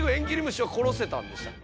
虫は殺せたんでしたっけ？